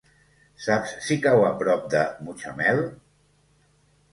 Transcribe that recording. Saps si cau a prop de Mutxamel?